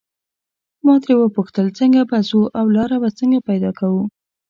ما ترې وپوښتل څنګه به ځو او لاره به څنګه پیدا کوو.